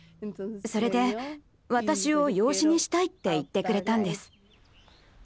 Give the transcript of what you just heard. それで私を養子にしたいって言ってくれたんです。